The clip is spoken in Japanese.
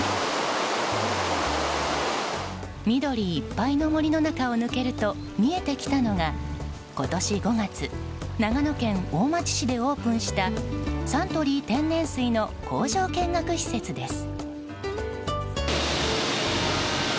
緑いっぱいの森の中を抜けると見えてきたのが今年５月長野県大町市でオープンしたサントリー天然水の工場見学施設です。